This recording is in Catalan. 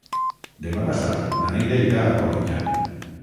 Demà passat na Neida irà a Polinyà.